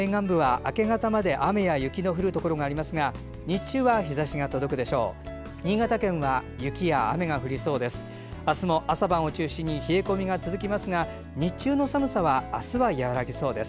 明日も朝晩を中心に冷え込みが続きますが日中の寒さは和らぎそうです。